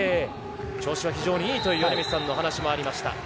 調子は非常にいいという米満さんのお話もありました。